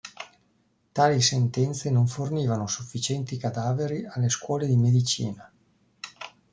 Tali sentenze non fornivano sufficienti cadaveri alle scuole di medicina.